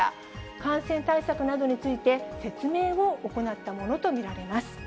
感染対策などについて、説明を行ったものと見られます。